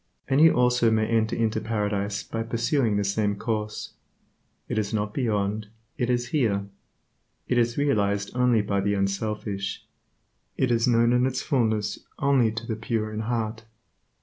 And you also may enter into Paradise by pursuing the same course. It is not beyond, it is here. It is realized only by the unselfish. It is known in its fullness only to the pure in heart.